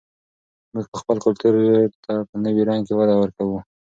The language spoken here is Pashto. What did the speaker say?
موږ به خپل کلتور ته په نوي رنګ کې وده ورکړو.